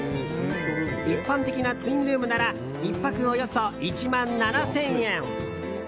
一般的なツインルームなら１泊およそ１万７０００円。